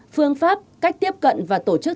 phương pháp cách tiếp cận và tổ chức